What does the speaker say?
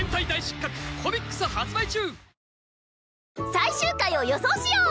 最終回を予想しよう